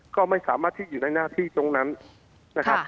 ก็ไม่สามารถที่อยู่ในหน้าที่ตรงนั้นนะครับ